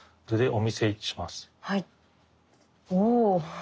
お。